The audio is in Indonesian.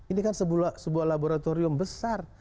ini kan sebuah laboratorium besar